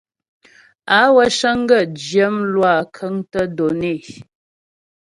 Á wə́ cəŋ gaə̂ zhyə́ mlwâ kə́ŋtə́ données.